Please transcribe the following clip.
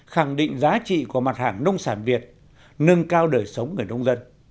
khẳng định giá trị của mặt hàng nông sản việt nâng cao đời sống người nông dân